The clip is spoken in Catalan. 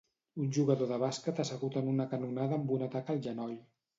Un jugador de bàsquet assegut en una canonada amb una taca al genoll.